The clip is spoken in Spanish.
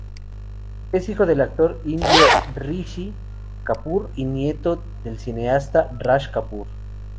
Es hijo del actor indio Rishi Kapoor y nieto del cineasta Raj Kapoor.